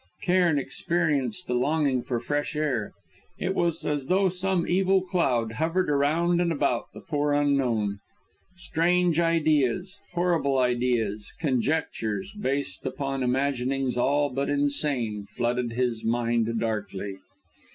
Cairn experienced a longing for the fresh air; it was as though some evil cloud hovered around and about the poor unknown. Strange ideas, horrible ideas, conjectures based upon imaginings all but insane, flooded his mind darkly.